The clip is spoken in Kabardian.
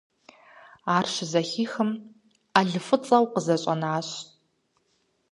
Ар щызэхихым, Ӏэлфӏыцӏэу къызэщӏэнащ.